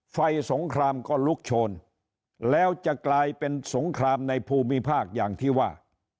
สงครามก็ลุกโชนแล้วจะกลายเป็นสงครามในภูมิภาคอย่างที่ว่า